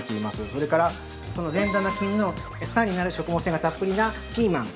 それからその善玉菌の餌になる食物繊維がたっぷりなピーマン。